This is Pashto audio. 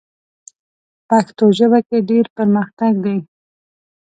پښتو ژبه کې ډېر پرمختګ دی.